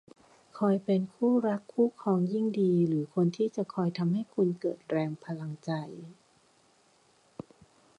หากเป็นคู่รักคู่ครองยิ่งดี หรือคนที่จะคอยทำให้คุณเกิดแรงพลังใจ